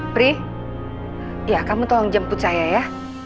pri ya kamu tolong jemput saya ya